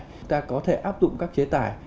chúng ta có thể áp dụng các chế tải